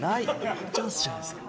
チャンスじゃないですか。